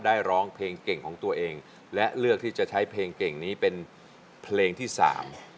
ร้องเพลงเก่งของตัวเองและเลือกที่จะใช้เพลงเก่งนี้เป็นเพลงที่สาม